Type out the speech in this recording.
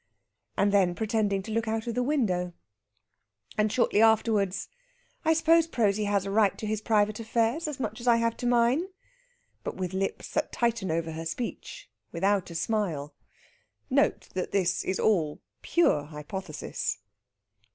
and then pretending to look out of the window. And shortly afterwards: "I suppose Prosy has a right to his private affairs, as much as I have to mine." But with lips that tighten over her speech, without a smile. Note that this is all pure hypothesis.